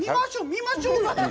見ましょうよ！